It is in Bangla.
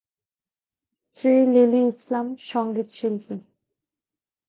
স্ত্রী লিলি ইসলাম সংগীতশিল্পী।